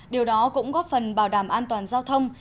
điều đó cũng góp phần bảo đảm an toàn giao thông